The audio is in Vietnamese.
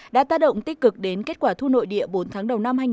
đã tác động tích cực đến kết quả thu nông